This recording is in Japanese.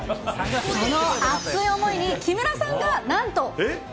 その熱い思いに、木村さんがなんと。